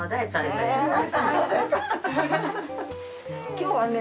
今日はね